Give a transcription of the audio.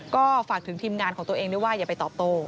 ก็ฝากถึงทีมงานของตัวเองด้วยว่าอย่าไปตอบโต้